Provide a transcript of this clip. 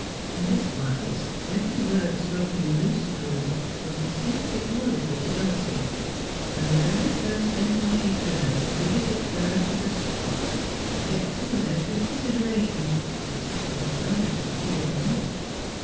In this wise every word spoken in Lucy's room was distinctly audible ' That would be an Unholy Alliance.' 273 to Dulcie, and the very first sentence she heard riveted her to the spot, forgetful of every consideration except the desire to hear more.